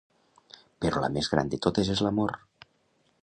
Però la més gran de totes és l'amor.